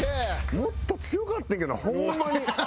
やっぱ強かってんけどホンマに。